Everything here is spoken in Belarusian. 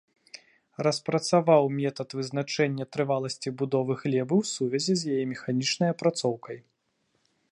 Распрацаваў метад вызначэння трываласці будовы глебы ў сувязі з яе механічнай апрацоўкай.